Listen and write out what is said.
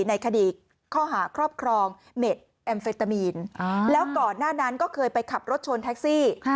ในคดีข้อหาครอบครองเม็ดแอมเฟตามีนแล้วก่อนหน้านั้นก็เคยไปขับรถชนแท็กซี่